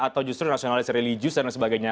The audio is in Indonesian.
atau justru nasionalist religius dan lain sebagainya